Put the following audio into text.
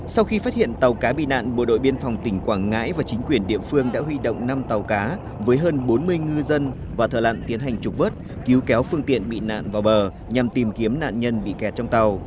sau khi phát hiện tàu cá bị nạn bộ đội biên phòng tỉnh quảng ngãi và chính quyền địa phương đã huy động năm tàu cá với hơn bốn mươi ngư dân và thợ lặn tiến hành trục vớt cứu kéo phương tiện bị nạn vào bờ nhằm tìm kiếm nạn nhân bị kẹt trong tàu